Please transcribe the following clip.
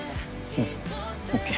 うんＯＫ。